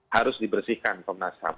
harus dibersihkan komnas ham